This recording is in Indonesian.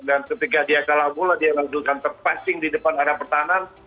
ketika dia kalah bola dia lanjutkan terpassing di depan arah pertahanan